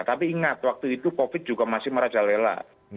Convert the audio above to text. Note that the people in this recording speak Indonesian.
tapi ingat waktu itu covid juga masih merajalela